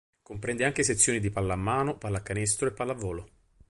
Comprende anche sezioni di pallamano, pallacanestro e pallavolo.